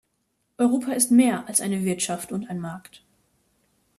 Europa ist mehr als eine Wirtschaft und ein Markt.